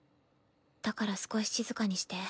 だから少し静かにして。